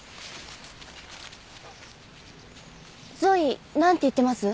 ゾイなんて言ってます？